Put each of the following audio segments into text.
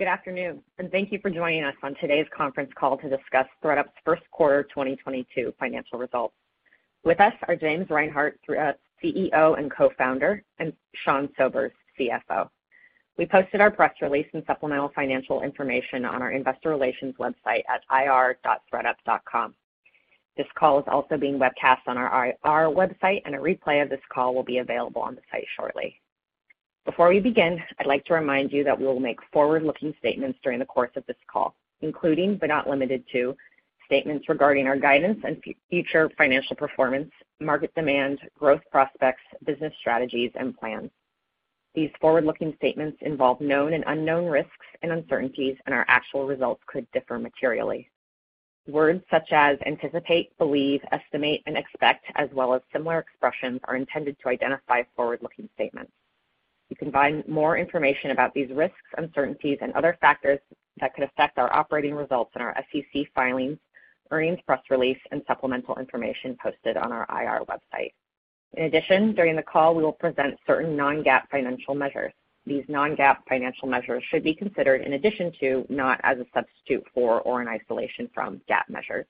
Good afternoon, and thank you for joining us on today's conference call to discuss ThredUp's first quarter 2022 financial results. With us are James Reinhart, ThredUp CEO and co-founder, and Sean Sobers, CFO. We posted our press release and supplemental financial information on our investor relations website at ir.thredup.com. This call is also being webcast on our IR website, and a replay of this call will be available on the site shortly. Before we begin, I'd like to remind you that we will make forward-looking statements during the course of this call, including, but not limited to, statements regarding our guidance and future financial performance, market demand, growth prospects, business strategies, and plans. These forward-looking statements involve known and unknown risks and uncertainties, and our actual results could differ materially. Words such as anticipate, believe, estimate, and expect, as well as similar expressions, are intended to identify forward-looking statements. You can find more information about these risks, uncertainties, and other factors that could affect our operating results in our SEC filings, earnings press release, and supplemental information posted on our IR website. In addition, during the call, we will present certain non-GAAP financial measures. These non-GAAP financial measures should be considered in addition to, not as a substitute for or in isolation from, GAAP measures.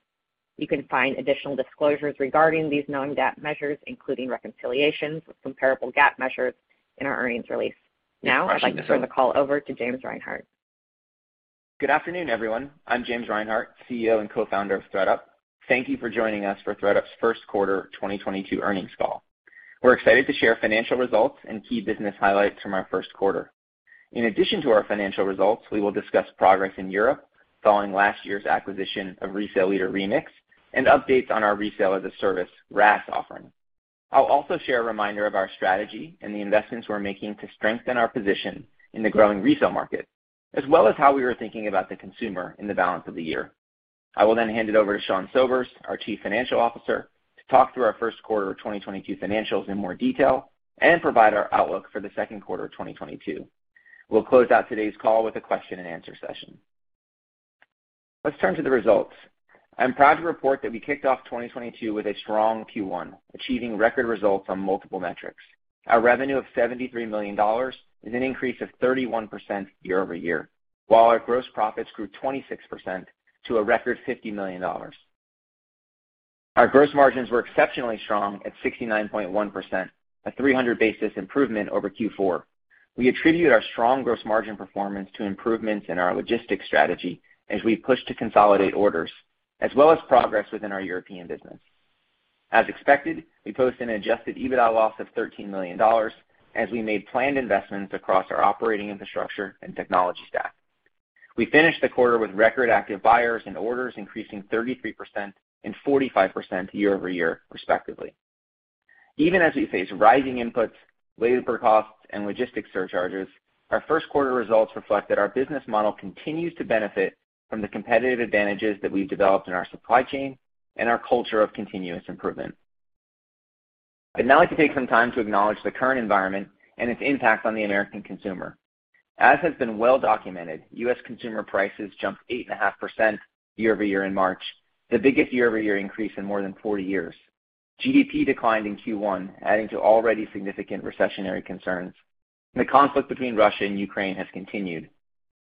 You can find additional disclosures regarding these non-GAAP measures, including reconciliations with comparable GAAP measures, in our earnings release. Now I'd like to turn the call over to James Reinhart. Good afternoon, everyone. I'm James Reinhart, CEO and Co-Founder of ThredUp. Thank you for joining us for ThredUp's first quarter 2022 earnings call. We're excited to share financial results and key business highlights from our first quarter. In addition to our financial results, we will discuss progress in Europe following last year's acquisition of resale leader Remix, and updates on our Resale as a Service, RaaS offering. I'll also share a reminder of our strategy and the investments we're making to strengthen our position in the growing resale market, as well as how we are thinking about the consumer in the balance of the year. I will then hand it over to Sean Sobers, our Chief Financial Officer, to talk through our first quarter of 2022 financials in more detail and provide our outlook for the second quarter of 2022. We'll close out today's call with a question and answer session. Let's turn to the results. I'm proud to report that we kicked off 2022 with a strong Q1, achieving record results on multiple metrics. Our revenue of $73 million is an increase of 31% year-over-year, while our gross profits grew 26% to a record $50 million. Our gross margins were exceptionally strong at 69.1%, a 300 basis points improvement over Q4. We attribute our strong gross margin performance to improvements in our logistics strategy as we push to consolidate orders, as well as progress within our European business. As expected, we post an adjusted EBITDA loss of $13 million as we made planned investments across our operating infrastructure and technology staff. We finished the quarter with record active buyers and orders increasing 33% and 45% year-over-year, respectively. Even as we face rising inputs, labor costs, and logistics surcharges, our first quarter results reflect that our business model continues to benefit from the competitive advantages that we've developed in our supply chain and our culture of continuous improvement. I'd now like to take some time to acknowledge the current environment and its impact on the American consumer. As has been well documented, U.S. consumer prices jumped 8.5% year-over-year in March, the biggest year-over-year increase in more than 40 years. GDP declined in Q1, adding to already significant recessionary concerns. The conflict between Russia and Ukraine has continued.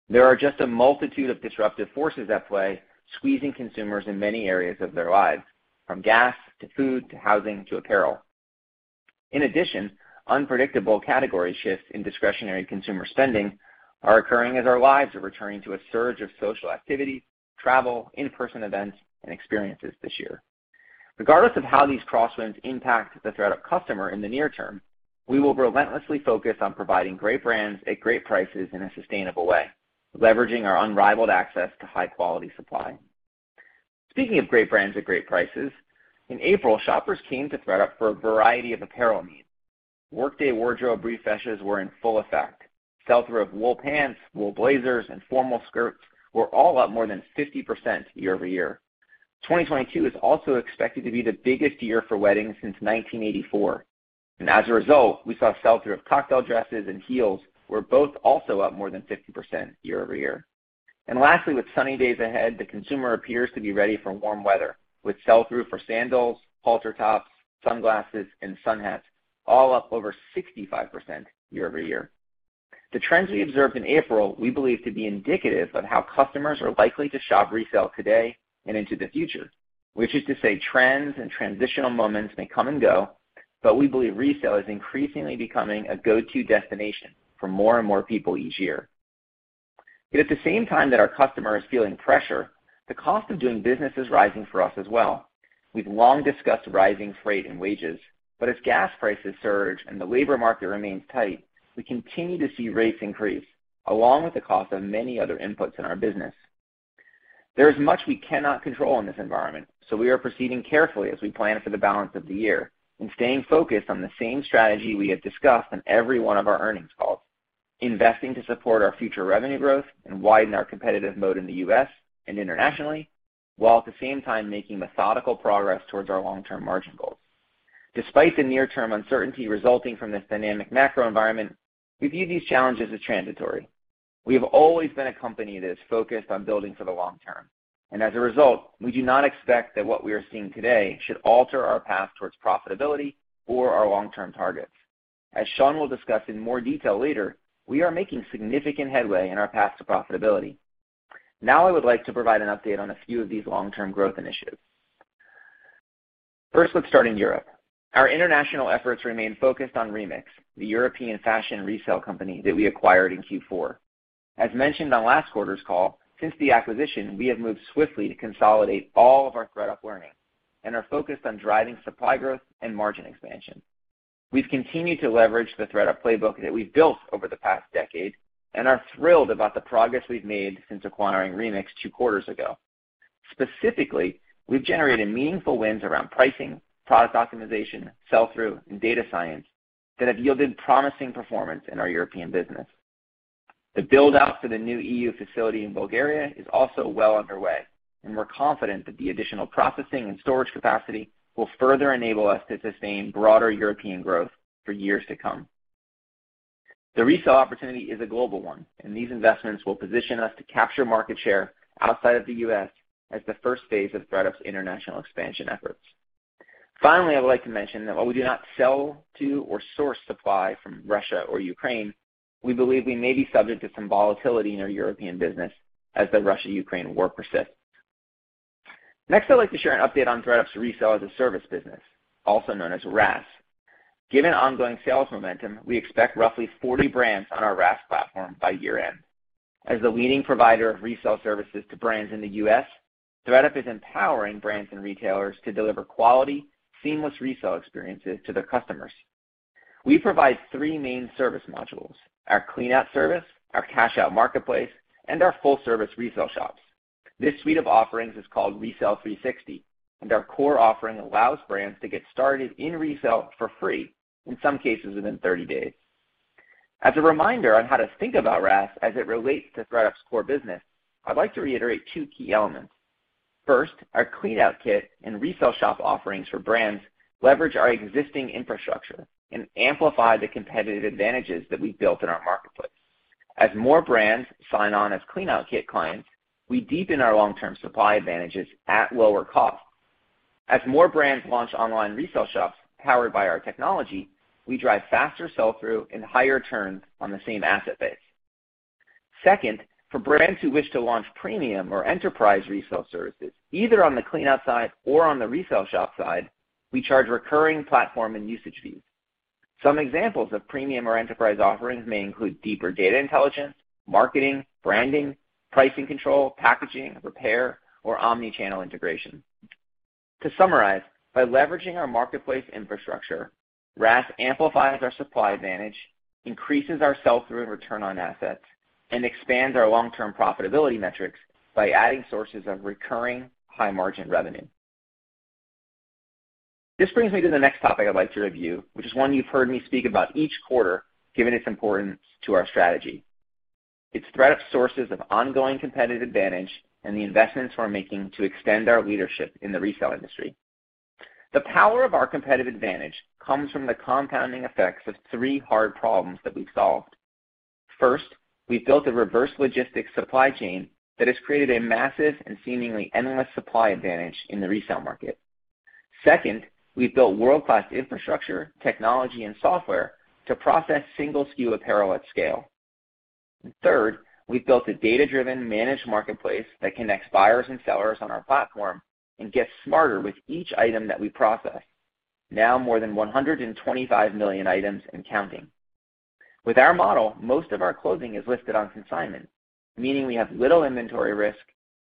There are just a multitude of disruptive forces at play, squeezing consumers in many areas of their lives, from gas to food to housing to apparel. In addition, unpredictable category shifts in discretionary consumer spending are occurring as our lives are returning to a surge of social activity, travel, in-person events, and experiences this year. Regardless of how these crosswinds impact the ThredUp customer in the near term, we will relentlessly focus on providing great brands at great prices in a sustainable way, leveraging our unrivaled access to high-quality supply. Speaking of great brands at great prices, in April, shoppers came to ThredUp for a variety of apparel needs. Workday wardrobe refreshes were in full effect. Sell-through of wool pants, wool blazers, and formal skirts were all up more than 50% year-over-year. 2022 is also expected to be the biggest year for weddings since 1984. As a result, we saw sell-through of cocktail dresses and heels were both also up more than 50% year-over-year. Lastly, with sunny days ahead, the consumer appears to be ready for warm weather, with sell-through for sandals, halter tops, sunglasses, and sun hats all up over 65% year-over-year. The trends we observed in April we believe to be indicative of how customers are likely to shop resale today and into the future, which is to say trends and transitional moments may come and go, but we believe resale is increasingly becoming a go-to destination for more and more people each year. Yet at the same time that our customer is feeling pressure, the cost of doing business is rising for us as well. We've long discussed rising freight and wages, but as gas prices surge and the labor market remains tight, we continue to see rates increase, along with the cost of many other inputs in our business. There is much we cannot control in this environment, so we are proceeding carefully as we plan for the balance of the year and staying focused on the same strategy we have discussed on every one of our earnings calls, investing to support our future revenue growth and widen our competitive moat in the U.S. and internationally, while at the same time making methodical progress towards our long-term margin goals. Despite the near-term uncertainty resulting from this dynamic macro environment, we view these challenges as transitory. We have always been a company that is focused on building for the long term, and as a result, we do not expect that what we are seeing today should alter our path towards profitability or our long-term targets. As Sean will discuss in more detail later, we are making significant headway in our path to profitability. Now I would like to provide an update on a few of these long-term growth initiatives. First, let's start in Europe. Our international efforts remain focused on Remix, the European fashion resale company that we acquired in Q4. As mentioned on last quarter's call, since the acquisition, we have moved swiftly to consolidate all of our ThredUp learning and are focused on driving supply growth and margin expansion. We've continued to leverage the ThredUp playbook that we've built over the past decade and are thrilled about the progress we've made since acquiring Remix two quarters ago. Specifically, we've generated meaningful wins around pricing, product optimization, sell-through, and data science that have yielded promising performance in our European business. The build-out for the new EU facility in Bulgaria is also well underway, and we're confident that the additional processing and storage capacity will further enable us to sustain broader European growth for years to come. The resale opportunity is a global one, and these investments will position us to capture market share outside of the U.S. as the first phase of ThredUp's international expansion efforts. Finally, I would like to mention that while we do not sell to or source supply from Russia or Ukraine, we believe we may be subject to some volatility in our European business as the Russia-Ukraine war persists. Next, I'd like to share an update on ThredUp's Resale as a Service business, also known as RaaS. Given ongoing sales momentum, we expect roughly 40 brands on our RaaS platform by year-end. As the leading provider of resale services to brands in the U.S., ThredUp is empowering brands and retailers to deliver quality, seamless resale experiences to their customers. We provide three main service modules, our cleanout service, our cash out marketplace, and our full-service resale shops. This suite of offerings is called Resale 360, and our core offering allows brands to get started in resale for free, in some cases within 30 days. As a reminder on how to think about RaaS as it relates to ThredUp's core business, I'd like to reiterate two key elements. First, our clean out kit and resale shop offerings for brands leverage our existing infrastructure and amplify the competitive advantages that we've built in our marketplace. As more brands sign on as clean out kit clients, we deepen our long-term supply advantages at lower cost. As more brands launch online resale shops powered by our technology, we drive faster sell-through and higher turns on the same asset base. Second, for brands who wish to launch premium or enterprise resale services, either on the clean out side or on the resale shop side, we charge recurring platform and usage fees. Some examples of premium or enterprise offerings may include deeper data intelligence, marketing, branding, pricing control, packaging, repair, or omni-channel integration. To summarize, by leveraging our marketplace infrastructure, RaaS amplifies our supply advantage, increases our sell-through and return on assets, and expands our long-term profitability metrics by adding sources of recurring high margin revenue. This brings me to the next topic I'd like to review, which is one you've heard me speak about each quarter, given its importance to our strategy. It's ThredUp's sources of ongoing competitive advantage and the investments we're making to extend our leadership in the resale industry. The power of our competitive advantage comes from the compounding effects of three hard problems that we've solved. First, we've built a reverse logistics supply chain that has created a massive and seemingly endless supply advantage in the resale market. Second, we've built world-class infrastructure, technology, and software to process single SKU apparel at scale. Third, we've built a data-driven managed marketplace that connects buyers and sellers on our platform and gets smarter with each item that we process. Now more than 125 million items and counting. With our model, most of our clothing is listed on consignment, meaning we have little inventory risk,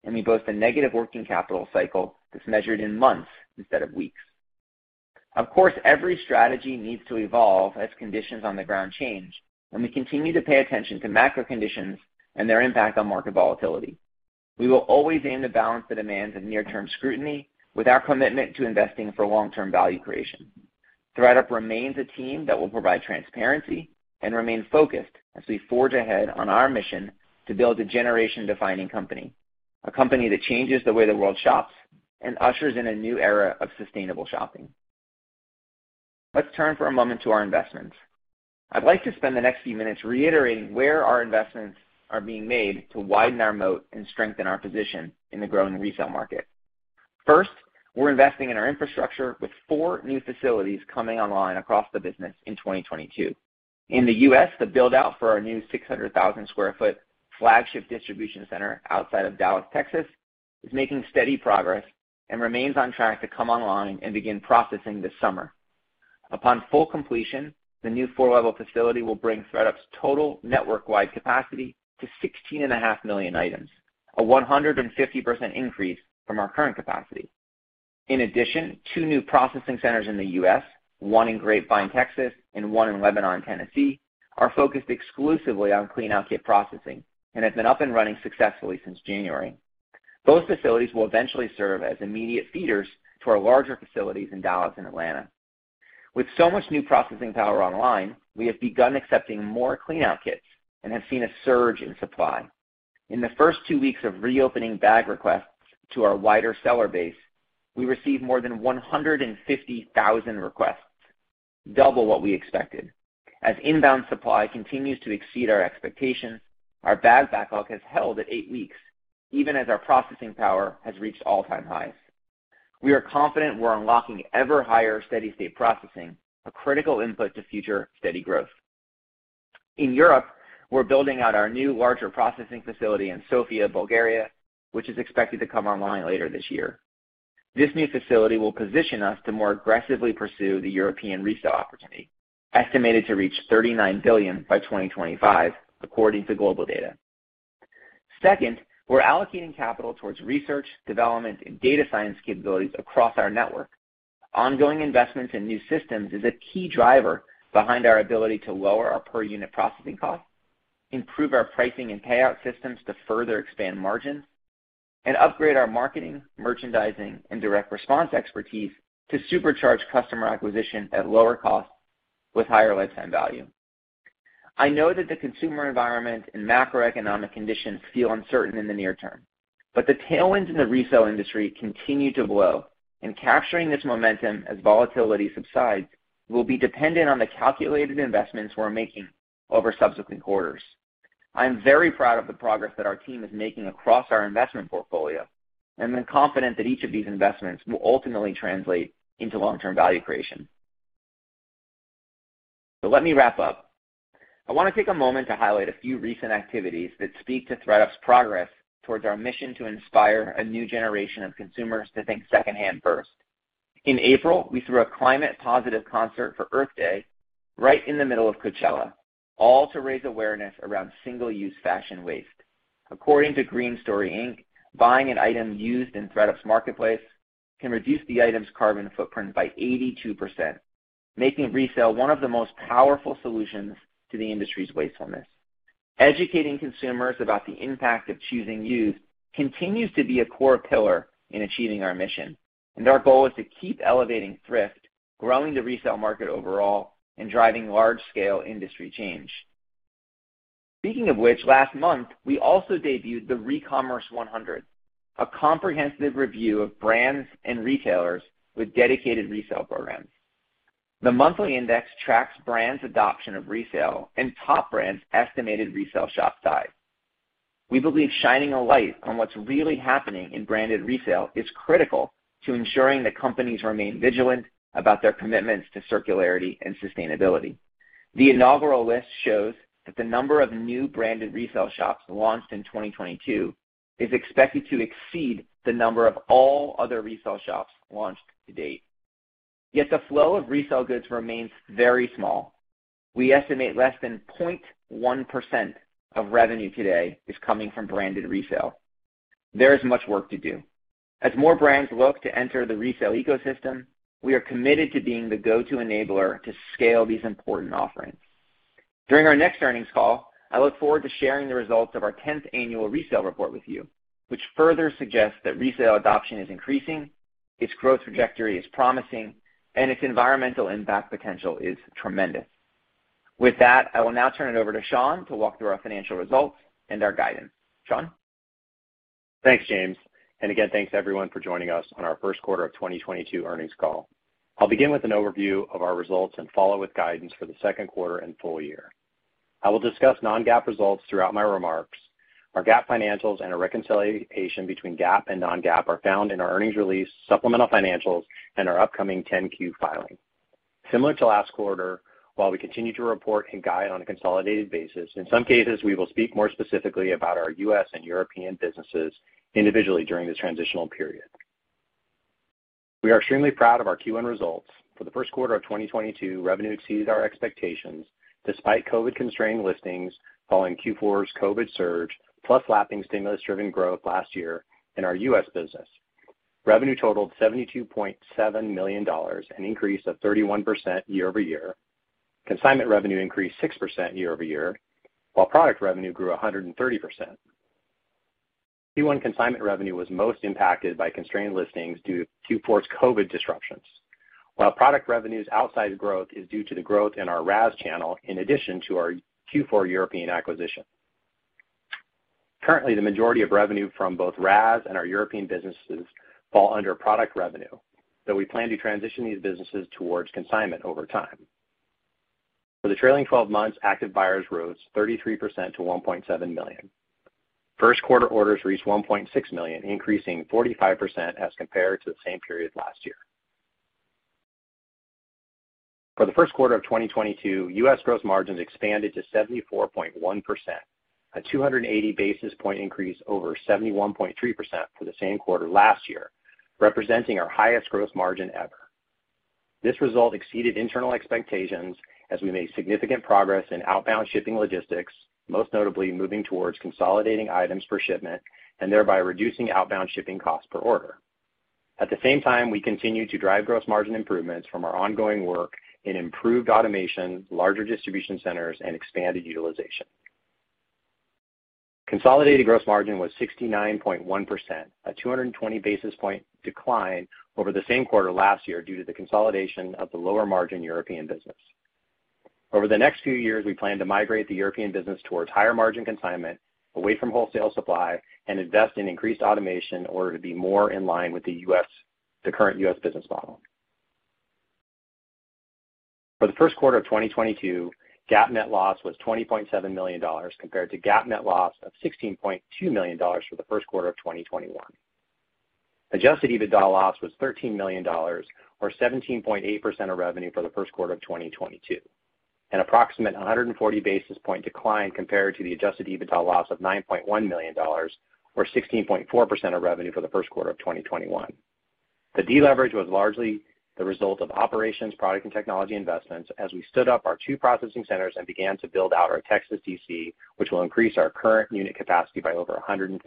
and we boast a negative working capital cycle that's measured in months instead of weeks. Of course, every strategy needs to evolve as conditions on the ground change, and we continue to pay attention to macro conditions and their impact on market volatility. We will always aim to balance the demands of near-term scrutiny with our commitment to investing for long-term value creation. ThredUp remains a team that will provide transparency and remain focused as we forge ahead on our mission to build a generation-defining company, a company that changes the way the world shops and ushers in a new era of sustainable shopping. Let's turn for a moment to our investments. I'd like to spend the next few minutes reiterating where our investments are being made to widen our moat and strengthen our position in the growing resale market. First, we're investing in our infrastructure with four new facilities coming online across the business in 2022. In the U.S., the build-out for our new 600,000 sq ft flagship distribution center outside of Dallas, Texas, is making steady progress and remains on track to come online and begin processing this summer. Upon full completion, the new four-level facility will bring ThredUp's total network-wide capacity to 16.5 million items, a 150% increase from our current capacity. In addition, two new processing centers in the U.S., one in Grapevine, Texas, and one in Lebanon, Tennessee, are focused exclusively on clean out kit processing and have been up and running successfully since January. Those facilities will eventually serve as immediate feeders to our larger facilities in Dallas and Atlanta. With so much new processing power online, we have begun accepting more clean out kits and have seen a surge in supply. In the first two weeks of reopening bag requests to our wider seller base, we received more than 150,000 requests, double what we expected. As inbound supply continues to exceed our expectations, our bag backlog has held at 8 weeks, even as our processing power has reached all-time highs. We are confident we're unlocking ever higher steady state processing, a critical input to future steady growth. In Europe, we're building out our new larger processing facility in Sofia, Bulgaria, which is expected to come online later this year. This new facility will position us to more aggressively pursue the European resale opportunity, estimated to reach $39 billion by 2025, according to GlobalData. Second, we're allocating capital towards research, development, and data science capabilities across our network. Ongoing investments in new systems is a key driver behind our ability to lower our per unit processing costs, improve our pricing and payout systems to further expand margins, and upgrade our marketing, merchandising, and direct response expertise to supercharge customer acquisition at lower costs with higher lifetime value. I know that the consumer environment and macroeconomic conditions feel uncertain in the near term, but the tailwinds in the resale industry continue to blow, and capturing this momentum as volatility subsides will be dependent on the calculated investments we're making over subsequent quarters. I am very proud of the progress that our team is making across our investment portfolio, and I'm confident that each of these investments will ultimately translate into long-term value creation. Let me wrap up. I want to take a moment to highlight a few recent activities that speak to ThredUp's progress towards our mission to inspire a new generation of consumers to think secondhand first. In April, we threw a climate positive concert for Earth Day right in the middle of Coachella, all to raise awareness around single-use fashion waste. According to Green Story Inc., buying an item used in ThredUp's marketplace can reduce the item's carbon footprint by 82%, making resale one of the most powerful solutions to the industry's wastefulness. Educating consumers about the impact of choosing used continues to be a core pillar in achieving our mission, and our goal is to keep elevating thrift, growing the resale market overall, and driving large-scale industry change. Speaking of which, last month, we also debuted the Recommerce 100, a comprehensive review of brands and retailers with dedicated resale programs. The monthly index tracks brands' adoption of resale and top brands' estimated resale shop size. We believe shining a light on what's really happening in branded resale is critical to ensuring that companies remain vigilant about their commitments to circularity and sustainability. The inaugural list shows that the number of new branded resale shops launched in 2022 is expected to exceed the number of all other resale shops launched to date. Yet the flow of resale goods remains very small. We estimate less than 0.1% of revenue today is coming from branded resale. There is much work to do. As more brands look to enter the resale ecosystem, we are committed to being the go-to enabler to scale these important offerings. During our next earnings call, I look forward to sharing the results of our tenth annual resale report with you, which further suggests that resale adoption is increasing, its growth trajectory is promising, and its environmental impact potential is tremendous. With that, I will now turn it over to Sean to walk through our financial results and our guidance. Sean. Thanks, James. Again, thanks everyone for joining us on our first quarter of 2022 earnings call. I'll begin with an overview of our results and follow with guidance for the second quarter and full-year. I will discuss non-GAAP results throughout my remarks. Our GAAP financials and a reconciliation between GAAP and non-GAAP are found in our earnings release, supplemental financials, and our upcoming 10-Q filing. Similar to last quarter, while we continue to report and guide on a consolidated basis, in some cases, we will speak more specifically about our U.S. and European businesses individually during this transitional period. We are extremely proud of our Q1 results. For the first quarter of 2022, revenue exceeds our expectations despite COVID-constrained listings following Q4's COVID surge, plus lapping stimulus-driven growth last year in our U.S. business. Revenue totaled $72.7 million, an increase of 31% year-over-year. Consignment revenue increased 6% year-over-year, while product revenue grew 130%. Q1 consignment revenue was most impacted by constrained listings due to Q4's COVID disruptions. While product revenues outsized growth is due to the growth in our RaaS channel in addition to our Q4 European acquisition. Currently, the majority of revenue from both RaaS and our European businesses fall under product revenue, though we plan to transition these businesses towards consignment over time. For the trailing 12 months, active buyers rose 33% to 1.7 million. First quarter orders reached 1.6 million, increasing 45% as compared to the same period last year. For the first quarter of 2022, U.S. gross margins expanded to 74.1%, a 280 basis point increase over 71.3% for the same quarter last year, representing our highest gross margin ever. This result exceeded internal expectations as we made significant progress in outbound shipping logistics, most notably moving towards consolidating items per shipment and thereby reducing outbound shipping costs per order. At the same time, we continued to drive gross margin improvements from our ongoing work in improved automation, larger distribution centers, and expanded utilization. Consolidated gross margin was 69.1%, a 220 basis point decline over the same quarter last year due to the consolidation of the lower margin European business. Over the next few years, we plan to migrate the European business towards higher margin consignment, away from wholesale supply, and invest in increased automation in order to be more in line with the current U.S. business model. For the first quarter of 2022, GAAP net loss was $20.7 million compared to GAAP net loss of $16.2 million for the first quarter of 2021. Adjusted EBITDA loss was $13 million, or 17.8% of revenue for the first quarter of 2022, an approximate 140 basis point decline compared to the adjusted EBITDA loss of $9.1 million or 16.4% of revenue for the first quarter of 2021. The deleverage was largely the result of operations, product and technology investments as we stood up our two processing centers and began to build out our Texas DC, which will increase our current unit capacity by over 150%.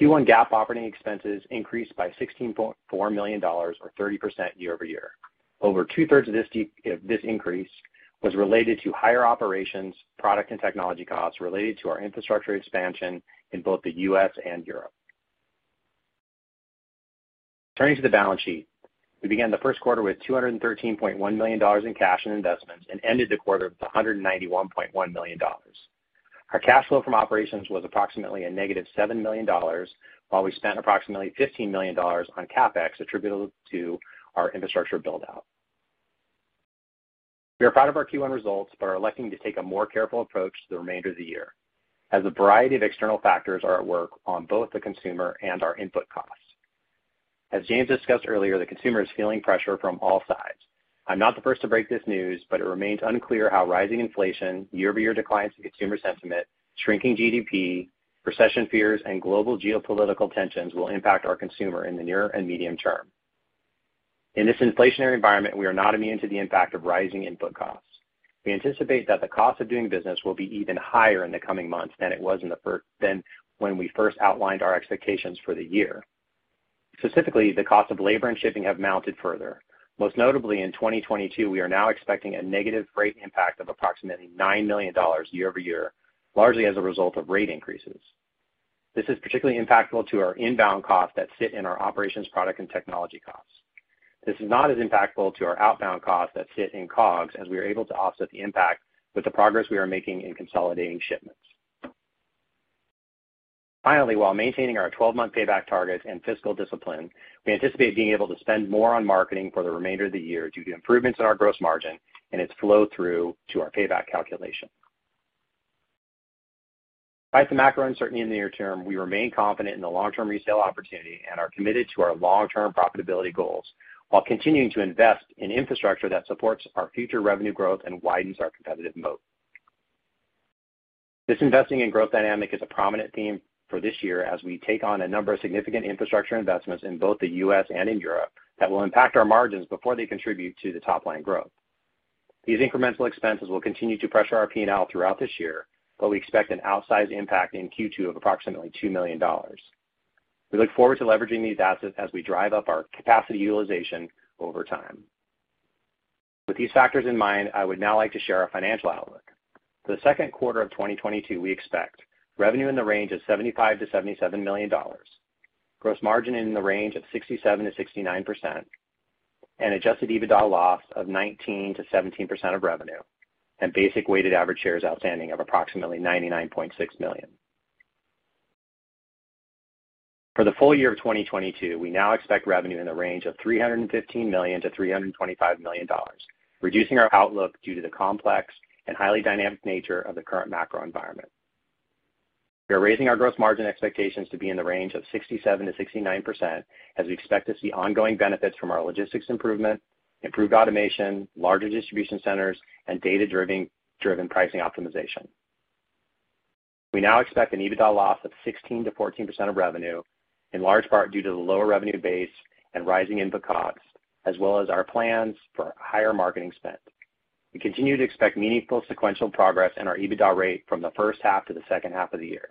Q1 GAAP operating expenses increased by $16.4 million or 30% year-over-year. Over two-thirds of this increase was related to higher operations, product and technology costs related to our infrastructure expansion in both the U.S. and Europe. Turning to the balance sheet. We began the first quarter with $213.1 million in cash and investments and ended the quarter with $191.1 million. Our cash flow from operations was approximately a negative $7 million, while we spent approximately $15 million on CapEx attributable to our infrastructure build-out. We are proud of our Q1 results, but are electing to take a more careful approach to the remainder of the year, as a variety of external factors are at work on both the consumer and our input costs. As James discussed earlier, the consumer is feeling pressure from all sides. I'm not the first to break this news, but it remains unclear how rising inflation, year-over-year declines in consumer sentiment, shrinking GDP, recession fears, and global geopolitical tensions will impact our consumer in the near and medium term. In this inflationary environment, we are not immune to the impact of rising input costs. We anticipate that the cost of doing business will be even higher in the coming months than when we first outlined our expectations for the year. Specifically, the cost of labor and shipping have mounted further. Most notably in 2022, we are now expecting a negative freight impact of approximately $9 million year-over-year, largely as a result of rate increases. This is particularly impactful to our inbound costs that sit in our operations, product, and technology costs. This is not as impactful to our outbound costs that sit in COGS as we are able to offset the impact with the progress we are making in consolidating shipments. Finally, while maintaining our 12-month payback targets and fiscal discipline, we anticipate being able to spend more on marketing for the remainder of the year due to improvements in our gross margin and its flow through to our payback calculation. Despite the macro uncertainty in the near term, we remain confident in the long-term resale opportunity and are committed to our long-term profitability goals, while continuing to invest in infrastructure that supports our future revenue growth and widens our competitive moat. This investing in growth dynamic is a prominent theme for this year as we take on a number of significant infrastructure investments in both the U.S. and in Europe that will impact our margins before they contribute to the top line growth. These incremental expenses will continue to pressure our P&L throughout this year, but we expect an outsized impact in Q2 of approximately $2 million. We look forward to leveraging these assets as we drive up our capacity utilization over time. With these factors in mind, I would now like to share our financial outlook. For the second quarter of 2022, we expect revenue in the range of $75 million-$77 million, gross margin in the range of 67%-69%, and adjusted EBITDA loss of 19%-17% of revenue, and basic weighted average shares outstanding of approximately 99.6 million. For the full year of 2022, we now expect revenue in the range of $315 million-$325 million, reducing our outlook due to the complex and highly dynamic nature of the current macro environment. We are raising our gross margin expectations to be in the range of 67%-69%, as we expect to see ongoing benefits from our logistics improvement, improved automation, larger distribution centers, and data-driven pricing optimization. We now expect an EBITDA loss of 16%-14% of revenue, in large part due to the lower revenue base and rising input costs, as well as our plans for higher marketing spend. We continue to expect meaningful sequential progress in our EBITDA rate from the first half to the second half of the year.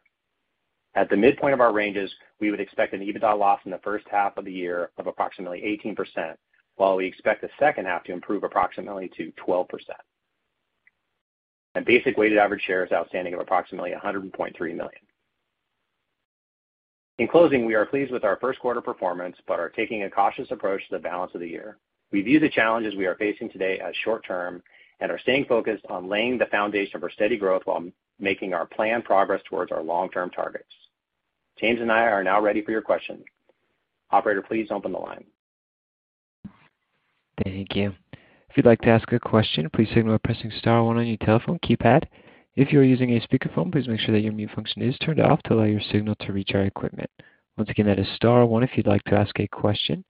At the midpoint of our ranges, we would expect an EBITDA loss in the first half of the year of approximately 18%, while we expect the second half to improve approximately to 12%. Basic weighted average shares outstanding of approximately 100.3 million. In closing, we are pleased with our first quarter performance, but are taking a cautious approach to the balance of the year. We view the challenges we are facing today as short term and are staying focused on laying the foundation for steady growth while making our planned progress towards our long-term targets. James and I are now ready for your questions. Operator, please open the line. Thank you. If you'd like to ask a question, please signal by pressing star one on your telephone keypad. If you are using a speakerphone, please make sure that your mute function is turned off to allow your signal to reach our equipment. Once again, that is star one if you'd like to ask a question.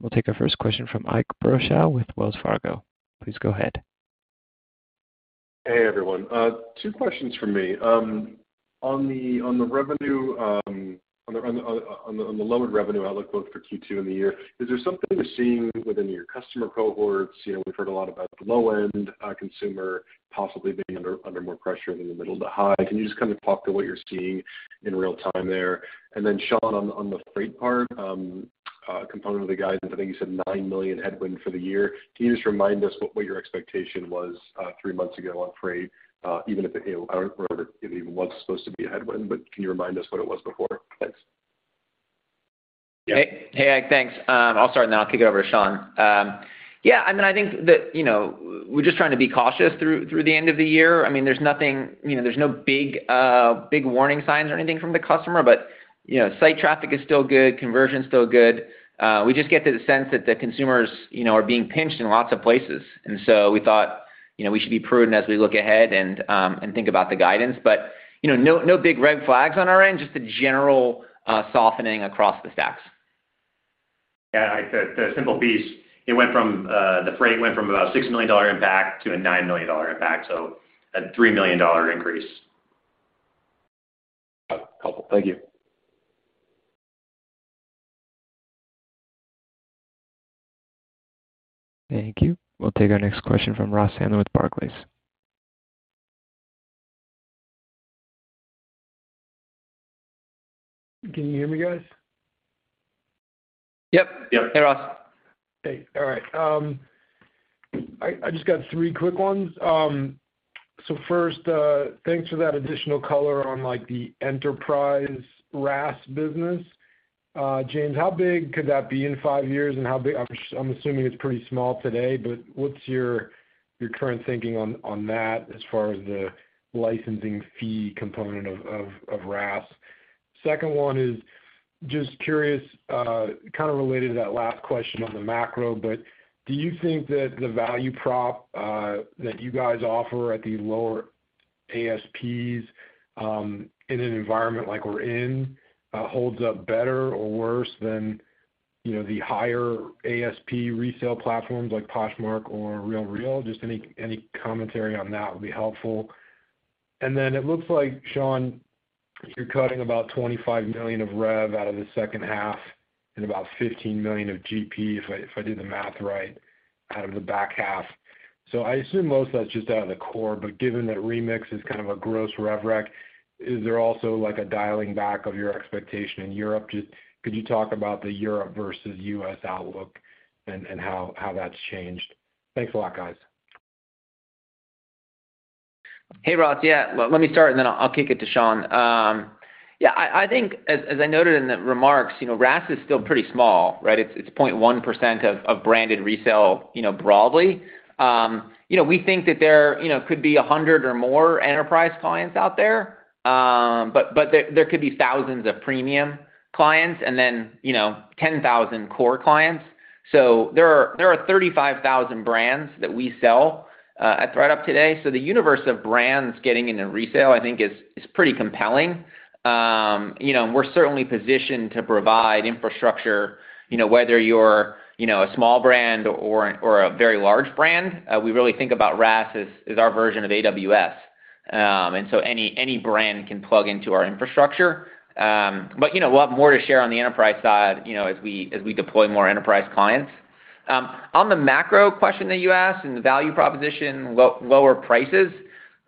We'll take our first question from Ike Boruchow with Wells Fargo. Please go ahead. Hey, everyone. Two questions from me. On the lowered revenue outlook both for Q2 and the year, is there something you're seeing within your customer cohorts? You know, we've heard a lot about the low end consumer possibly being under more pressure than the middle to high. Can you just kind of talk to what you're seeing in real time there? And then Sean, on the freight part component of the guidance, I think you said $9 million headwind for the year. Can you just remind us what your expectation was three months ago on freight, or if it even was supposed to be a headwind, but can you remind us what it was before? Thanks. Hey, Ike. Thanks. I'll start and then I'll kick it over to Sean. Yeah, I mean, I think that, you know, we're just trying to be cautious through the end of the year. I mean, there's nothing, you know, there's no big warning signs or anything from the customer. You know, site traffic is still good, conversion's still good. We just get the sense that the consumers, you know, are being pinched in lots of places. We thought, you know, we should be prudent as we look ahead and think about the guidance. You know, no big red flags on our end, just a general softening across the stacks. Yeah. The simple piece, the freight went from about $6 million impact to a $9 million impact, so a $3 million increase. Got it. Cool. Thank you. Thank you. We'll take our next question from Ross Sandler with Barclays. Can you hear me, guys? Yep. Yep. Hey, Ross. Hey. All right. I just got three quick ones. First, thanks for that additional color on, like, the enterprise RaaS business. James, how big could that be in five years, and how big. I'm assuming it's pretty small today, but what's your current thinking on that as far as the licensing fee component of RaaS? Second one is, just curious, kind of related to that last question on the macro, but do you think that the value prop that you guys offer at the lower ASPs in an environment like we're in holds up better or worse than, you know, the higher ASP resale platforms like Poshmark or The RealReal? Just any commentary on that would be helpful. It looks like, Sean, you're cutting about $25 million of rev out of the second half and about $15 million of GP, if I did the math right, out of the back half. I assume most of that's just out of the core, but given that Remix is kind of a gross rev rec, is there also, like, a dialing back of your expectation in Europe? Could you talk about the Europe versus U.S. outlook and how that's changed? Thanks a lot, guys. Hey, Ross. Yeah. Well, let me start, and then I'll kick it to Sean. Yeah, I think as I noted in the remarks, you know, RaaS is still pretty small, right? It's point one percent of branded resale, you know, broadly. You know, we think that there could be 100 or more enterprise clients out there, but there could be thousands of premium clients and then, you know, 10,000 core clients. So there are 35,000 brands that we sell at ThredUp today, so the universe of brands getting into resale, I think is pretty compelling. We're certainly positioned to provide infrastructure, you know, whether you're, you know, a small brand or a very large brand. We really think about RaaS as our version of AWS. Any brand can plug into our infrastructure. We'll have more to share on the enterprise side, you know, as we deploy more enterprise clients. On the macro question that you asked and the value proposition lower prices,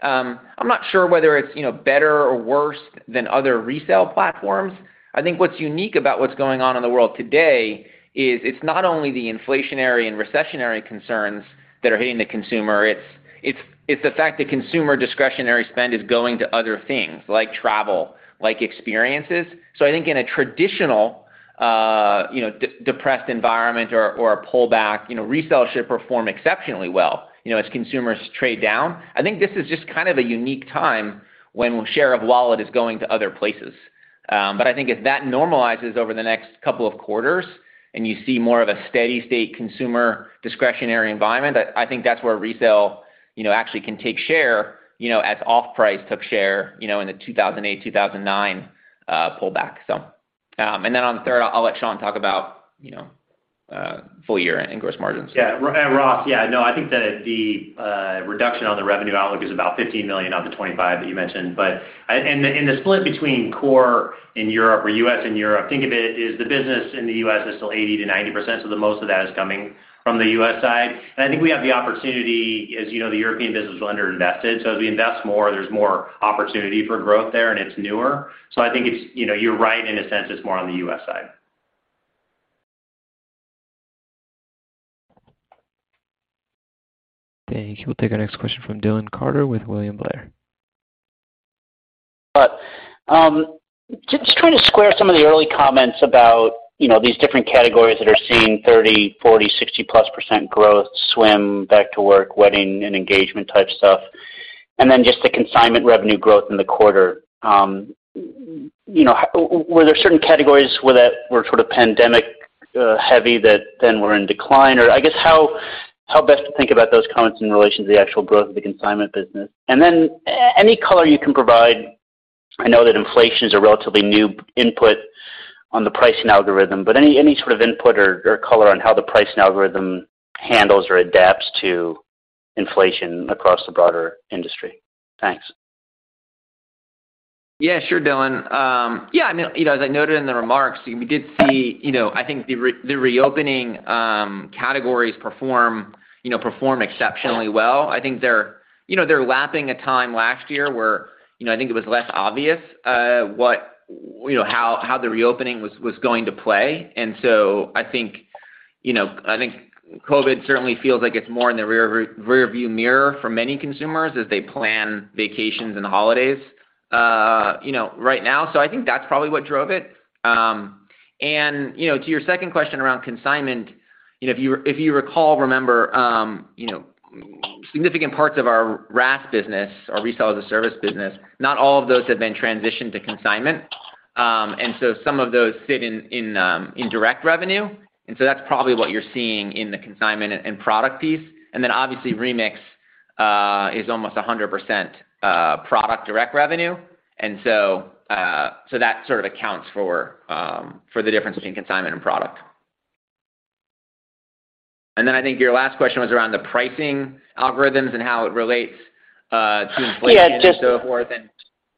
I'm not sure whether it's, you know, better or worse than other resale platforms. I think what's unique about what's going on in the world today is it's not only the inflationary and recessionary concerns that are hitting the consumer, it's the fact that consumer discretionary spend is going to other things like travel, like experiences. I think in a traditional, you know, depressed environment or a pullback, you know, resale should perform exceptionally well, you know, as consumers trade down. I think this is just kind of a unique time when share of wallet is going to other places. I think if that normalizes over the next couple of quarters, and you see more of a steady state consumer discretionary environment, I think that's where resale, you know, actually can take share, you know, as off-price took share, you know, in the 2008, 2009 pullback. On the third, I'll let Sean talk about, you know, full year and gross margins. Yeah. Ross, yeah, no, I think that the reduction on the revenue outlook is about $15 million out of the 25 that you mentioned. The split between core in Europe or U.S. and Europe, think of it as the business in the U.S. is still 80%-90%, so the most of that is coming from the U.S. side. I think we have the opportunity, as you know, the European business is underinvested, so as we invest more, there's more opportunity for growth there, and it's newer. I think it's, you know, you're right in a sense, it's more on the U.S. side. Thank you. We'll take our next question from Dylan Carden with William Blair. Just trying to square some of the early comments about, you know, these different categories that are seeing 30%, 40%, 60+% growth, swim, back to work, wedding, and engagement type stuff, and then just the consignment revenue growth in the quarter. Were there certain categories where that were sort of pandemic heavy that then were in decline? Or I guess, how best to think about those comments in relation to the actual growth of the consignment business? Any color you can provide, I know that inflation is a relatively new input on the pricing algorithm, but any sort of input or color on how the pricing algorithm handles or adapts to inflation across the broader industry? Thanks. Yeah, sure, Dylan. I mean, you know, as I noted in the remarks, we did see, you know, I think the reopening categories perform exceptionally well. I think they're lapping a time last year where I think it was less obvious what how the reopening was going to play. I think COVID certainly feels like it's more in the rear view mirror for many consumers as they plan vacations and holidays right now. I think that's probably what drove it. To your second question around consignment, if you recall, significant parts of our RaaS business, our Resale as a Service business, not all of those have been transitioned to consignment. Some of those sit in direct revenue. That's probably what you're seeing in the consignment and product piece. Obviously, Remix is almost 100% product direct revenue. That sort of accounts for the difference between consignment and product. I think your last question was around the pricing algorithms and how it relates to inflation. Yeah. And so forth.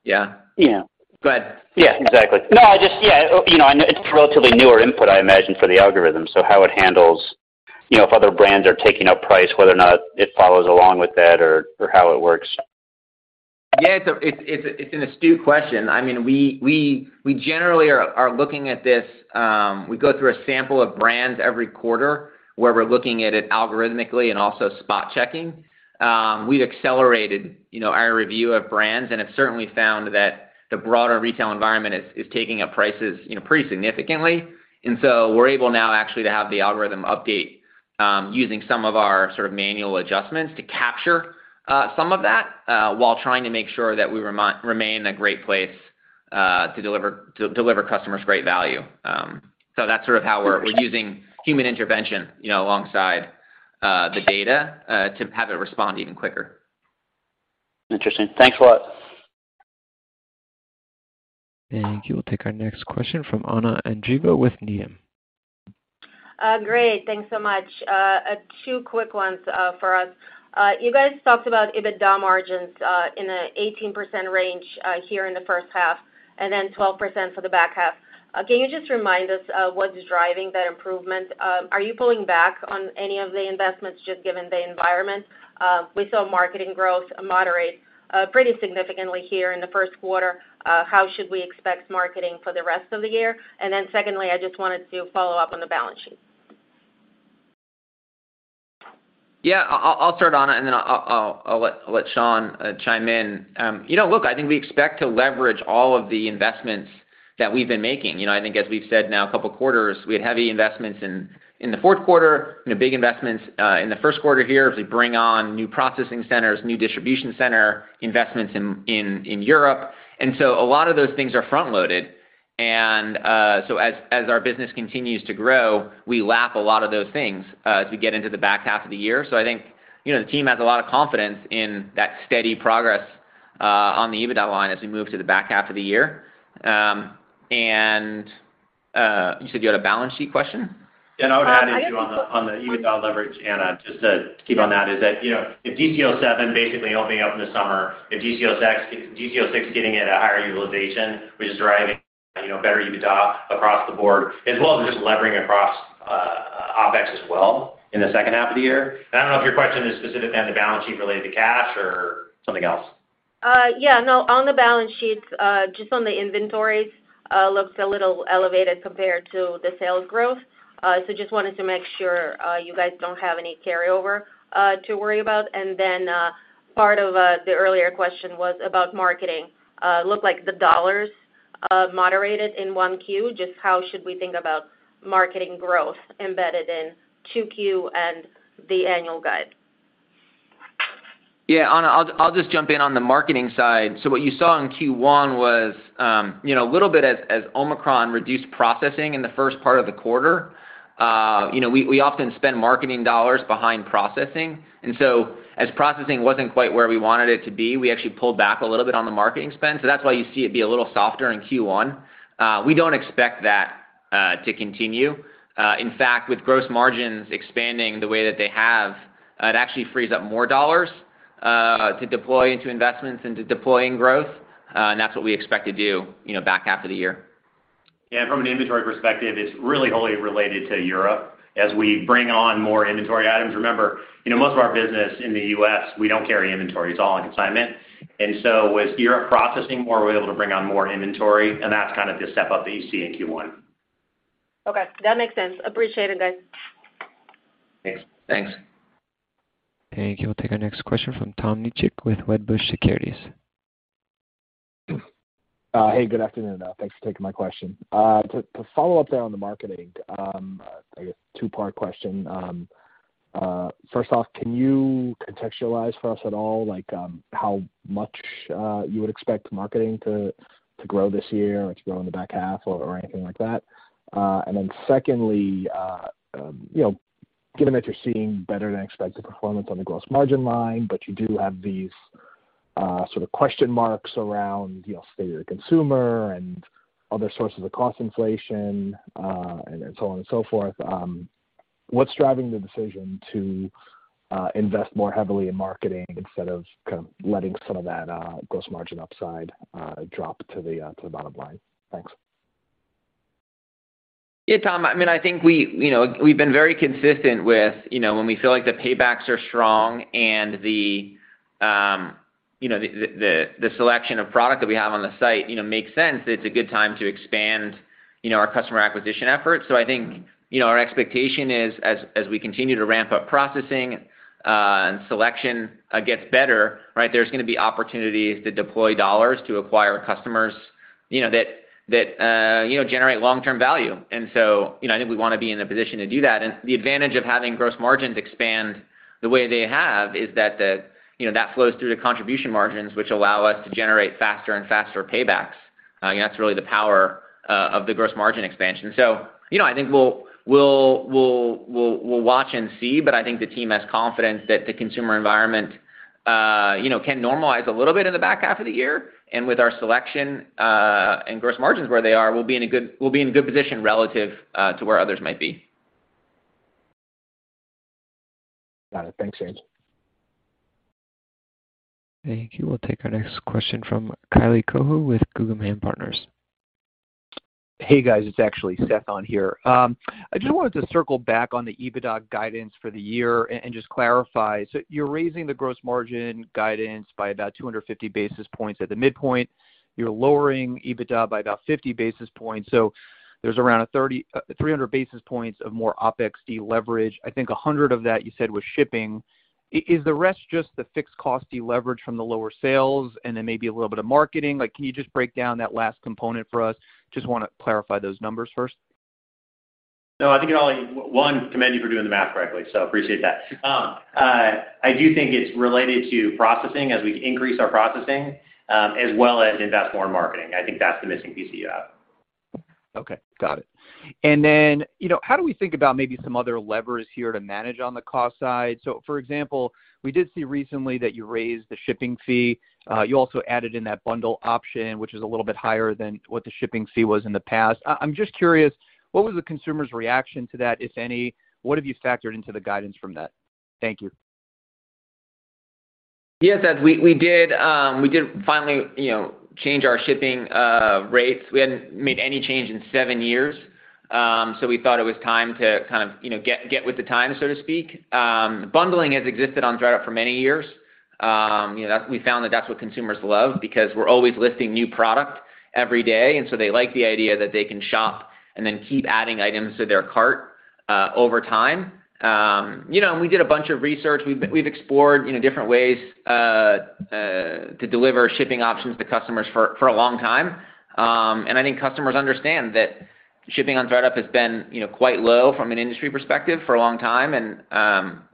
Yeah. Yeah. Go ahead. Yeah, exactly. No, I just, yeah, you know, and it's a relatively newer input, I imagine, for the algorithm. How it handles, you know, if other brands are taking up price, whether or not it follows along with that or how it works. It's an astute question. I mean, we generally are looking at this. We go through a sample of brands every quarter where we're looking at it algorithmically and also spot-checking. We've accelerated, you know, our review of brands, and have certainly found that the broader retail environment is taking up prices, you know, pretty significantly. We're able now actually to have the algorithm update, using some of our sort of manual adjustments to capture some of that, while trying to make sure that we remain a great place to deliver customers great value. That's sort of how we're using human intervention, you know, alongside the data to have it respond even quicker. Interesting. Thanks a lot. We'll take our next question from Anna Andreeva with Needham. Great. Thanks so much. Two quick ones for us. You guys talked about EBITDA margins in the 18% range here in the first half and then 12% for the back half. Can you just remind us of what's driving that improvement? Are you pulling back on any of the investments just given the environment? We saw marketing growth moderate pretty significantly here in the first quarter. How should we expect marketing for the rest of the year? Secondly, I just wanted to follow up on the balance sheet. Yeah. I'll start, Anna, and then I'll let Sean chime in. You know, look, I think we expect to leverage all of the investments that we've been making. You know, I think as we've said now a couple quarters, we had heavy investments in the fourth quarter and big investments in the first quarter here as we bring on new processing centers, new distribution center investments in Europe. A lot of those things are front-loaded. As our business continues to grow, we lap a lot of those things as we get into the back half of the year. I think, you know, the team has a lot of confidence in that steady progress on the EBITDA line as we move to the back half of the year. You said you had a balance sheet question? Uh, I just- I would add, too, on the EBITDA leverage, Anna, just to keep on that, is that, you know, with DC7 basically opening up in the summer, with DC6 getting at a higher utilization, which is driving, you know, better EBITDA across the board, as well as just levering across OpEx as well in the second half of the year. I don't know if your question is specific on the balance sheet related to cash or something else. Yeah, no. On the balance sheets, just on the inventories, looks a little elevated compared to the sales growth. Just wanted to make sure you guys don't have any carryover to worry about. Part of the earlier question was about marketing. Looked like the dollars moderated in 1Q. Just how should we think about marketing growth embedded in 2Q and the annual guide? Yeah, Anna, I'll just jump in on the marketing side. What you saw in Q1 was, you know, a little bit as Omicron reduced processing in the first part of the quarter. You know, we often spend marketing dollars behind processing. As processing wasn't quite where we wanted it to be, we actually pulled back a little bit on the marketing spend. That's why you see it be a little softer in Q1. We don't expect that to continue. In fact, with gross margins expanding the way that they have, it actually frees up more dollars to deploy into investments and to deploying growth. That's what we expect to do, you know, back half of the year. Yeah. From an inventory perspective, it's really wholly related to Europe as we bring on more inventory items. Remember, you know, most of our business in the U.S., we don't carry inventory. It's all on consignment. With Europe processing more, we're able to bring on more inventory, and that's kind of the step up that you see in Q1. Okay, that makes sense. Appreciate it, guys. Thanks. Thanks. Thank you. We'll take our next question from Tom Nikic with Wedbush Securities. Hey, good afternoon. Thanks for taking my question. To follow up there on the marketing, I guess two-part question. First off, can you contextualize for us at all, like, how much you would expect marketing to grow this year or to grow in the back half or anything like that? Secondly, you know, given that you're seeing better than expected performance on the gross margin line, but you do have these sort of question marks around, you know, state of the consumer and other sources of cost inflation and so on and so forth, what's driving the decision to invest more heavily in marketing instead of kind of letting some of that gross margin upside drop to the bottom line? Thanks. Yeah, Tom, I mean, I think we, you know, we've been very consistent with, you know, when we feel like the paybacks are strong and the, you know, the selection of product that we have on the site, you know, makes sense that it's a good time to expand. You know, our customer acquisition efforts. I think, you know, our expectation is as we continue to ramp up processing and selection gets better, right, there's gonna be opportunities to deploy dollars to acquire customers, you know, that you know, generate long-term value. You know, I think we wanna be in a position to do that. The advantage of having gross margins expand the way they have is that the, you know, that flows through to contribution margins, which allow us to generate faster and faster paybacks. You know that's really the power of the gross margin expansion. You know, I think we'll watch and see, but I think the team has confidence that the consumer environment can normalize a little bit in the back half of the year. With our selection and gross margins where they are, we'll be in good position relative to where others might be. Got it. Thanks, James. Thank you. We'll take our next question from Kylie Cohu with Guggenheim Partners. Hey, guys, it's actually Seth on here. I just wanted to circle back on the EBITDA guidance for the year and just clarify. You're raising the gross margin guidance by about 250 basis points. At the midpoint, you're lowering EBITDA by about 50 basis points, so there's around 300 basis points of more OpEx deleverage. I think 100 of that you said was shipping. Is the rest just the fixed cost deleverage from the lower sales and then maybe a little bit of marketing? Like, can you just break down that last component for us? Just wanna clarify those numbers first. No, I think. One, commend you for doing the math correctly. Appreciate that. I do think it's related to processing as we increase our processing, as well as invest more in marketing. I think that's the missing piece that you have. Okay. Got it. You know, how do we think about maybe some other levers here to manage on the cost side? For example, we did see recently that you raised the shipping fee. You also added in that bundle option, which is a little bit higher than what the shipping fee was in the past. I'm just curious, what was the consumer's reaction to that, if any? What have you factored into the guidance from that? Thank you. Yes, Seth. We did finally, you know, change our shipping rates. We hadn't made any change in seven years, so we thought it was time to kind of, you know, get with the times, so to speak. Bundling has existed on ThredUp for many years. You know, we found that that's what consumers love because we're always listing new product every day, and so they like the idea that they can shop and then keep adding items to their cart over time. You know, we did a bunch of research. We've explored, you know, different ways to deliver shipping options to customers for a long time. I think customers understand that shipping on ThredUp has been, you know, quite low from an industry perspective for a long time.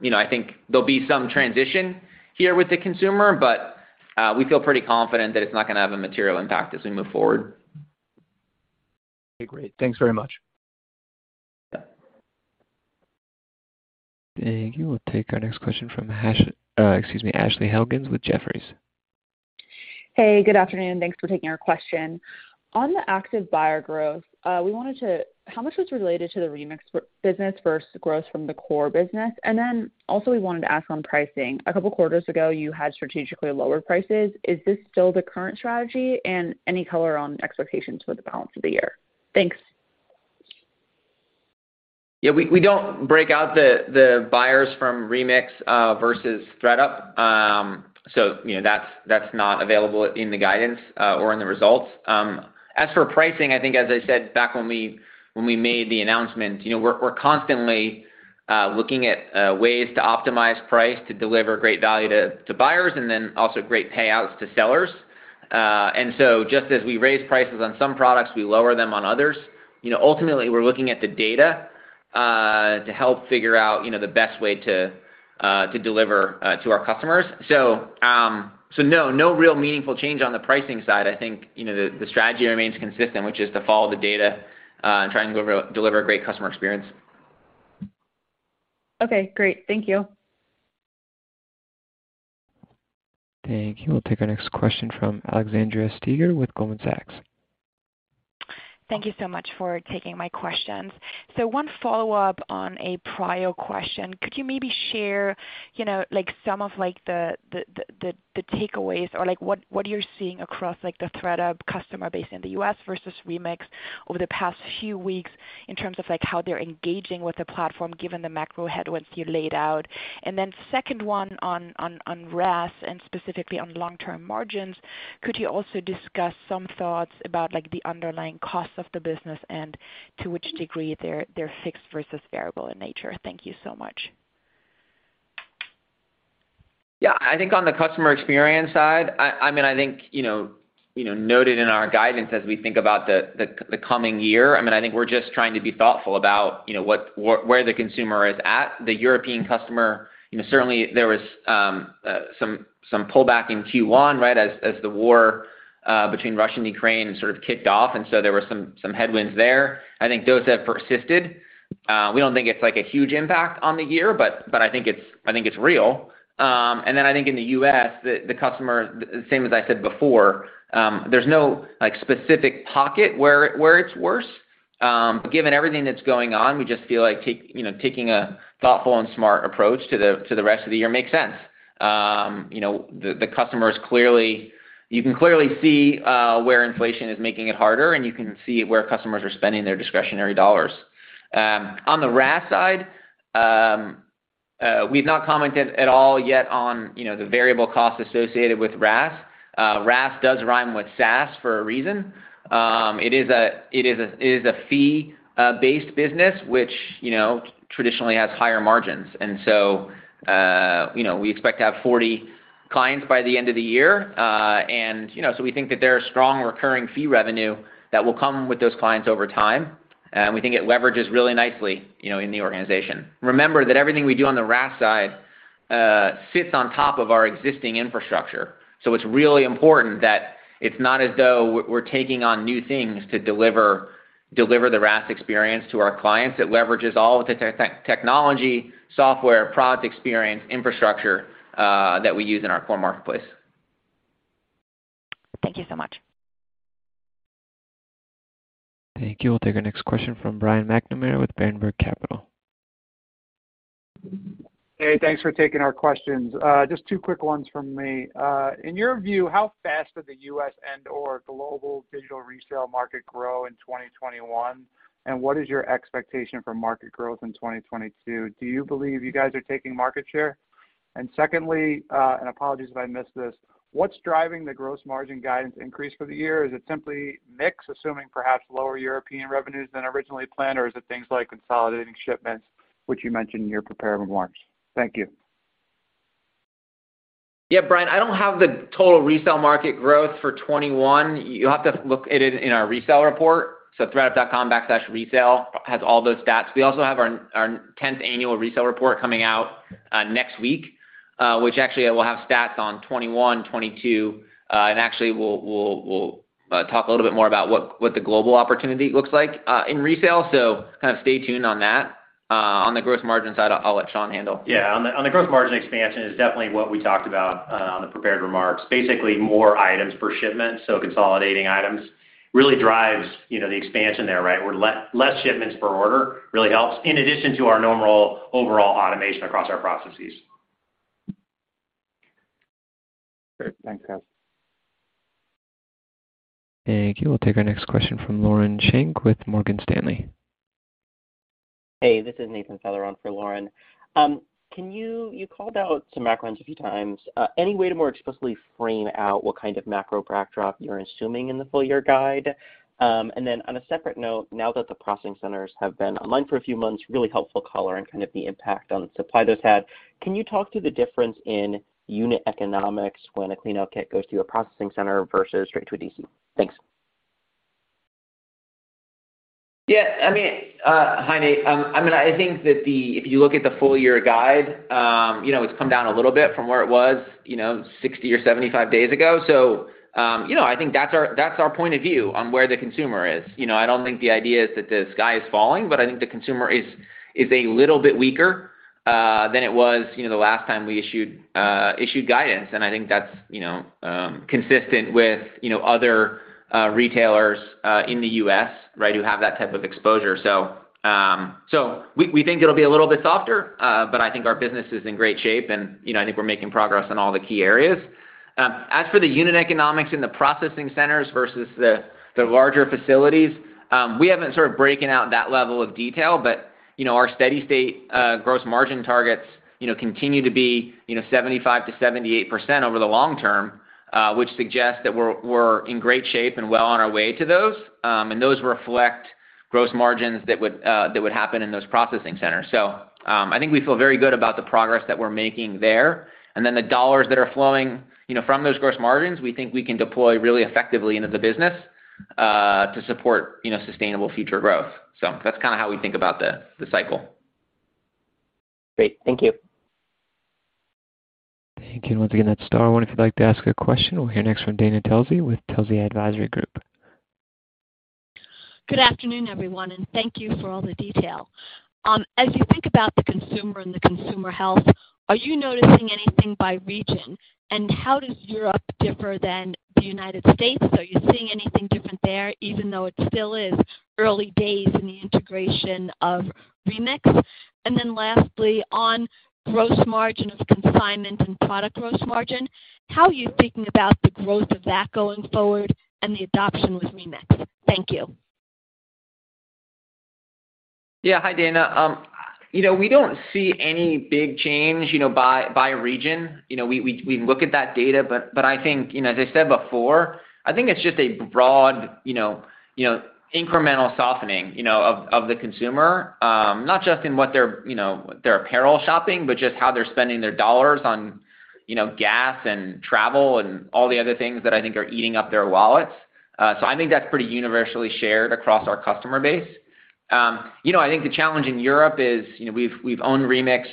You know, I think there'll be some transition here with the consumer, but we feel pretty confident that it's not gonna have a material impact as we move forward. Okay, great. Thanks very much. Yeah. Thank you. We'll take our next question from Ashley Helgans with Jefferies. Hey, good afternoon, and thanks for taking our question. On the active buyer growth, how much was related to the Remix business versus growth from the core business? Then also we wanted to ask on pricing. A couple of quarters ago, you had strategically lower prices. Is this still the current strategy? Any color on expectations for the balance of the year? Thanks. Yeah. We don't break out the buyers from Remix versus ThredUp. You know, that's not available in the guidance or in the results. As for pricing, I think as I said back when we made the announcement, you know, we're constantly looking at ways to optimize price to deliver great value to buyers and then also great payouts to sellers. Just as we raise prices on some products, we lower them on others. You know, ultimately, we're looking at the data to help figure out, you know, the best way to deliver to our customers. No real meaningful change on the pricing side. I think, you know, the strategy remains consistent, which is to follow the data, and try and deliver a great customer experience. Okay, great. Thank you. Thank you. We'll take our next question from Alexandra Steiger with Goldman Sachs. Thank you so much for taking my questions. One follow-up on a prior question. Could you maybe share, you know, like some of like the takeaways or like what you're seeing across like the ThredUp customer base in the U.S. versus Remix over the past few weeks in terms of like how they're engaging with the platform, given the macro headwinds you laid out? Second one on RaaS and specifically on long-term margins, could you also discuss some thoughts about like the underlying costs of the business and to which degree they're fixed versus variable in nature? Thank you so much. Yeah. I think on the customer experience side, I mean, I think you know noted in our guidance as we think about the coming year, I mean, I think we're just trying to be thoughtful about you know where the consumer is at. The European customer you know certainly there was some pullback in Q1 right as the war between Russia and Ukraine sort of kicked off and so there were some headwinds there. I think those have persisted. We don't think it's like a huge impact on the year but I think it's real. I think in the U.S. the customer the same as I said before there's no like specific pocket where it's worse. Given everything that's going on, we just feel like, you know, taking a thoughtful and smart approach to the rest of the year makes sense. The customer is clearly. You can clearly see where inflation is making it harder, and you can see where customers are spending their discretionary dollars. On the RaaS side, we've not commented at all yet on the variable costs associated with RaaS. RaaS does rhyme with SaaS for a reason. It is a fee-based business, which traditionally has higher margins. We expect to have 40 clients by the end of the year. We think that there are strong recurring fee revenue that will come with those clients over time. We think it leverages really nicely, you know, in the organization. Remember that everything we do on the RaaS side sits on top of our existing infrastructure, so it's really important that it's not as though we're taking on new things to deliver the RaaS experience to our clients. It leverages all of the technology, software, product experience, infrastructure that we use in our core marketplace. Thank you so much. Thank you. We'll take our next question from Brian McNamara with Berenberg Capital Markets. Hey, thanks for taking our questions. Just two quick ones from me. In your view, how fast did the US and/or global digital resale market grow in 2021, and what is your expectation for market growth in 2022? Do you believe you guys are taking market share? Secondly, apologies if I missed this, what's driving the gross margin guidance increase for the year? Is it simply mix, assuming perhaps lower European revenues than originally planned, or is it things like consolidating shipments, which you mentioned in your prepared remarks? Thank you. Yeah, Brian, I don't have the total resale market growth for 2021. You'll have to look at it in our resale report, so ThredUp.com/resale has all those stats. We also have our tenth annual resale report coming out next week, which actually will have stats on 2021, 2022. Actually we'll talk a little bit more about what the global opportunity looks like in resale. Kind of stay tuned on that. On the growth margin side, I'll let Sean handle. On the gross margin expansion is definitely what we talked about on the prepared remarks. Basically, more items per shipment, so consolidating items really drives, you know, the expansion there, right? Where less shipments per order really helps in addition to our normal overall automation across our processes. Great. Thanks, guys. Thank you. We'll take our next question from Lauren Schenk with Morgan Stanley. Hey, this is Nathan Feather on for Lauren. You called out some macro trends a few times. Any way to more explicitly frame out what kind of macro backdrop you're assuming in the full year guide? On a separate note, now that the processing centers have been online for a few months, really helpful color and kind of the impact on the supply those had. Can you talk to the difference in unit economics when a clean out kit goes to a processing center versus straight to a DC? Thanks. Yeah. I mean, hi, Nathan. I mean, I think that if you look at the full year guide, you know, it's come down a little bit from where it was, you know, 60 or 75 days ago. You know, I think that's our point of view on where the consumer is. You know, I don't think the idea is that the sky is falling, but I think the consumer is a little bit weaker than it was, you know, the last time we issued guidance. I think that's, you know, consistent with, you know, other retailers in the U.S., right, who have that type of exposure. We think it'll be a little bit softer, but I think our business is in great shape, and you know, I think we're making progress in all the key areas. As for the unit economics in the processing centers versus the larger facilities, we haven't sort of broken out that level of detail, but you know, our steady-state gross margin targets you know continue to be you know 75%-78% over the long term, which suggests that we're in great shape and well on our way to those. Those reflect gross margins that would happen in those processing centers. I think we feel very good about the progress that we're making there. The dollars that are flowing, you know, from those gross margins, we think we can deploy really effectively into the business to support, you know, sustainable future growth. That's kinda how we think about the cycle. Great. Thank you. Thank you. Once again, that's star one if you'd like to ask a question. We'll hear next from Dana Telsey with Telsey Advisory Group. Good afternoon, everyone, and thank you for all the detail. As you think about the consumer and the consumer health, are you noticing anything by region? How does Europe differ than the United States? Are you seeing anything different there, even though it still is early days in the integration of Remix? Lastly, on gross margin of consignment and product gross margin, how are you thinking about the growth of that going forward and the adoption with Remix? Thank you. Yeah. Hi, Dana. You know, we don't see any big change, you know, by region. You know, we look at that data, but I think, you know, as I said before, I think it's just a broad, you know, incremental softening, you know, of the consumer, not just in what they're, you know, their apparel shopping, but just how they're spending their dollars on, you know, gas and travel and all the other things that I think are eating up their wallets. So I think that's pretty universally shared across our customer base. You know, I think the challenge in Europe is, you know, we've owned Remix,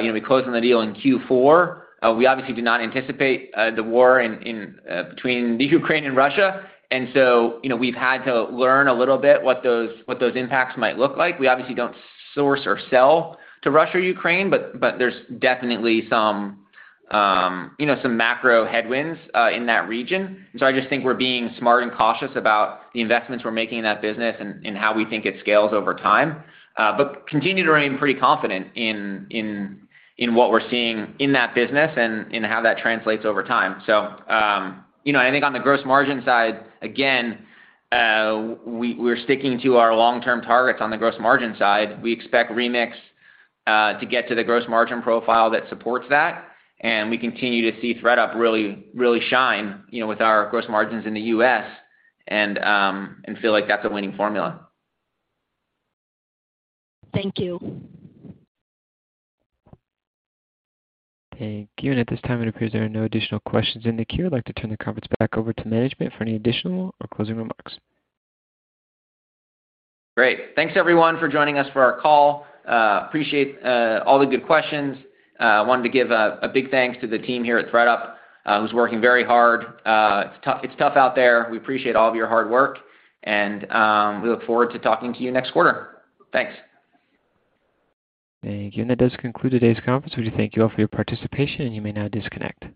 you know, we closed on the deal in Q4. We obviously did not anticipate the war in between Ukraine and Russia. You know, we've had to learn a little bit what those impacts might look like. We obviously don't source or sell to Russia or Ukraine, but there's definitely some, you know, macro headwinds in that region. I just think we're being smart and cautious about the investments we're making in that business and how we think it scales over time. But continue to remain pretty confident in what we're seeing in that business and in how that translates over time. You know, I think on the gross margin side, again, we're sticking to our long-term targets on the gross margin side. We expect Remix to get to the gross margin profile that supports that, and we continue to see ThredUp really, really shine, you know, with our gross margins in the U.S. and feel like that's a winning formula. Thank you. Thank you. At this time, it appears there are no additional questions in the queue. I'd like to turn the conference back over to management for any additional or closing remarks. Great. Thanks everyone for joining us for our call. Appreciate all the good questions. Wanted to give a big thanks to the team here at ThredUp, who's working very hard. It's tough out there. We appreciate all of your hard work, and we look forward to talking to you next quarter. Thanks. Thank you. That does conclude today's conference. We just thank you all for your participation, and you may now disconnect.